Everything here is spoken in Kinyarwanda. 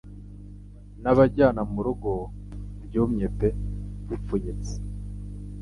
Nabajyana murugo-byumye pe bipfunyitse